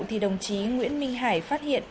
thì đồng chí nguyễn minh hải phát hiện